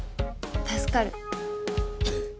助かる。